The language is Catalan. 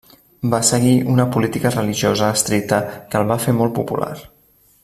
Va seguir una política religiosa estricta que el va fer molt popular.